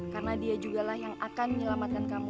karena dia juga lah yang akan menyelamatkan kamu